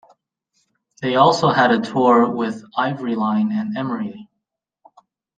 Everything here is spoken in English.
They also had a tour with Ivoryline and Emery.